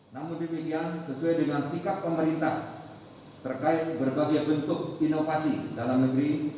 namun demikian sesuai dengan sikap pemerintah terkait berbagai bentuk inovasi dalam negeri